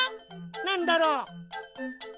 なんだろう？